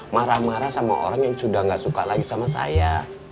marah marah sama orang yang sudah gak suka lagi sama saya